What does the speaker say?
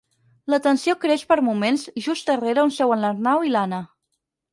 La tensió creix per moments just darrere on seuen l'Arnau i l'Anna.